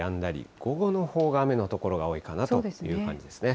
午後のほうが雨の所が多いかなという感じですね。